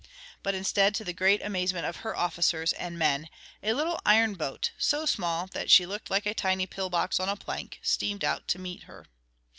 But instead, to the great amazement of her officers and men a little iron boat, so small that she looked like a tiny pill box on a plank, steamed out to meet her.